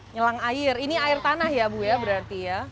nyelang air ini air tanah ya bu ya berarti ya